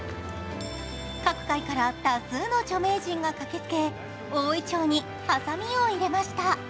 各界から多数の著名人が駆けつけ大銀杏にハサミを入れました。